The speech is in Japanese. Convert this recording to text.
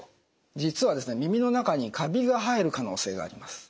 実は耳の中にカビが生える可能性があります。